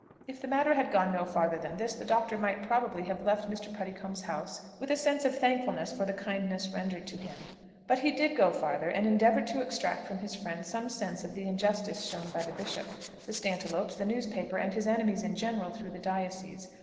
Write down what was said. If the matter had gone no farther than this, the Doctor might probably have left Mr. Puddicombe's house with a sense of thankfulness for the kindness rendered to him; but he did go farther, and endeavoured to extract from his friend some sense of the injustice shown by the Bishop, the Stantiloups, the newspaper, and his enemies in general through the diocese.